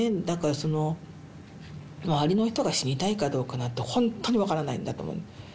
だからその周りの人が死にたいかどうかなんてほんとにわからないんだと思う。